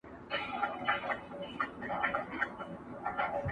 o غل شړه، نو نه تر خپله کوره٫